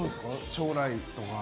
将来とか。